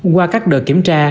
qua các đợt kiểm tra